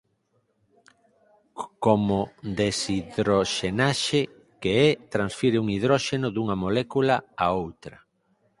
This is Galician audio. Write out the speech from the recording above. Como deshidroxenase que é transfire un hidróxeno dunha molécula a outra.